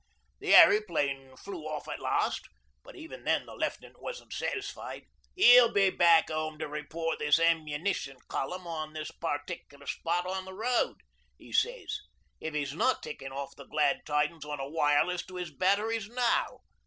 The airyplane flew off at last but even then the Left'nant wasn't satisfied. "He'll be off back 'ome to report this Ammunition Column on this particular spot on the road," he sez, "if he's not tickin' off the glad tidings on a wireless to 'is batteries now.